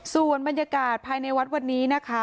ส่วนบรรยากาศภายในวัดวันนี้นะคะ